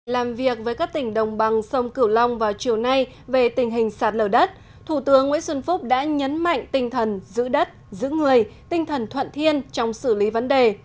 làm việc với các tỉnh đồng bằng sông cửu long vào chiều nay về tình hình sạt lở đất thủ tướng nguyễn xuân phúc đã nhấn mạnh tinh thần giữ đất giữ người tinh thần thuận thiên trong xử lý vấn đề